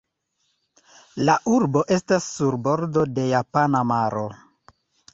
La urbo estas sur bordo de Japana maro.